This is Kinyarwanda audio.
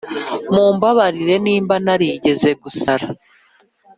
mumbabarire niba narigeze gusara,